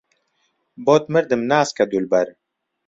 بۆت مردم ناسکە دولبەر